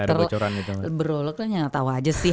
berolok oloknya gak tau aja sih